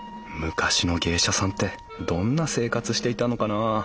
昔の芸者さんってどんな生活していたのかな？